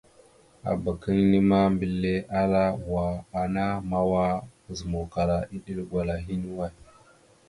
Abak inne ma, mbile ala ya: "Wa ana mawa mazǝmawkala iɗel gwala hine away?".